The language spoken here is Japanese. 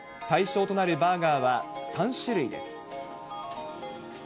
対象となるバーガーは３種類です。